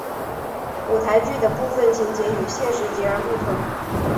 舞台剧的部分情节与现实截然不同。